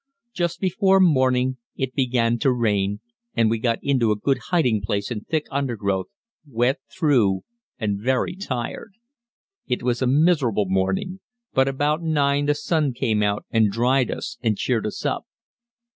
Just before morning it began to rain and we got into a good hiding place in thick undergrowth, wet through and very tired. It was a miserable morning, but about 9 the sun came out and dried us and cheered us up.